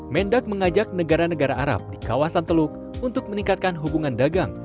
mendak mengajak negara negara arab di kawasan teluk untuk meningkatkan hubungan dagang